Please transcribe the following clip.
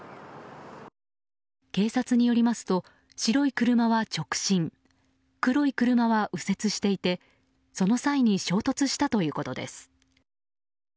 警察によりますと、白い車は直進黒い車は右折していてその際に衝突したということです。